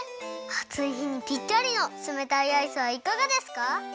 あついひにぴったりのつめたいアイスはいかがですか？